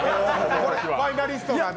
ファイナリストが。